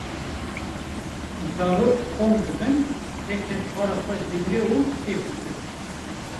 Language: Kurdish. zarok kom dibin herkes para xwe digre û kêf dikin.